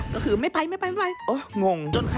ก็คือไม่ไปไม่ไปไม่ไปโอ๊ยงง